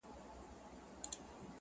پر حقیقت به سترگي وگنډي خو,